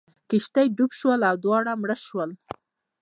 کښتۍ ډوبه شوه او دواړه مړه شول.